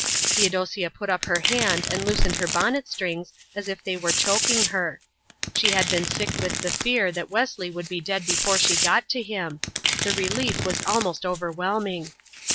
Theodosia put up her hand and loosened her bonnet strings as if they were choking her. She had been sick with the fear that Wesley would be dead before she got to him. The relief was almost overwhelming.